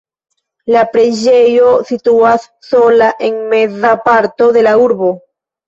La preĝejo situas sola en meza parto de la urbo.